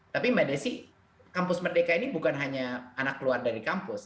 tapi mbak desi kampus merdeka ini bukan hanya anak keluar dari kampus